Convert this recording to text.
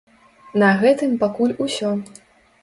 На гэтым пакуль усё.